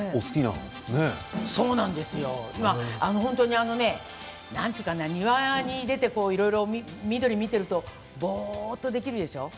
今、本当に何て言うかな庭に出ていろいろ緑を見ているとぼーっとできるでしょう。